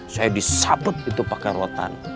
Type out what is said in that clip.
saya disabet itu pakai rotan